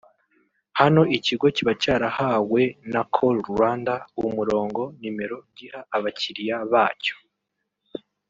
Hano ikigo kiba cyarahawe na Call Rwanda umurongo (nimero) giha abakiriya bacyo